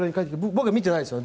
僕、見ていないですよ